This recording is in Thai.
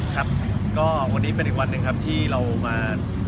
ครับก็วันนี้เป็นอีกวันหนึ่งครับที่เรามา